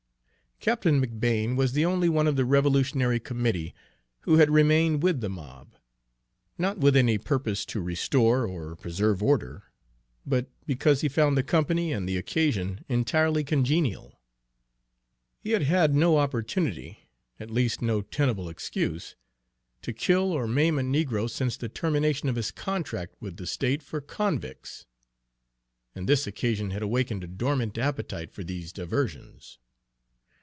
Captain McBane was the only one of the revolutionary committee who had remained with the mob, not with any purpose to restore or preserve order, but because he found the company and the occasion entirely congenial. He had had no opportunity, at least no tenable excuse, to kill or maim a negro since the termination of his contract with the state for convicts, and this occasion had awakened a dormant appetite for these diversions.